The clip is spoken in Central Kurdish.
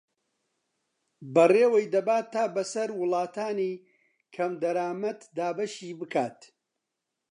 بەڕێوەی دەبات تا بەسەر وڵاتانی کەمدەرامەت دابەشی بکات